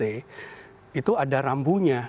itu ada rambunya